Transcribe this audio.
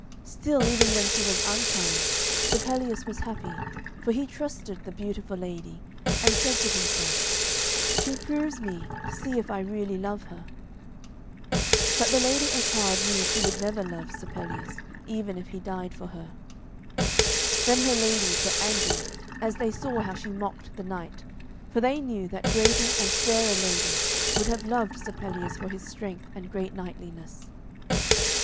Still even when she was unkind, Sir Pelleas was happy, for he trusted the beautiful lady, and said to himself, 'She proves me, to see if I really love her.' But the Lady Ettarde knew she would never love Sir Pelleas, even if he died for her. Then her ladies were angry, as they saw how she mocked the knight, for they knew that greater and fairer ladies would have loved Sir Pelleas for his strength and great knightliness.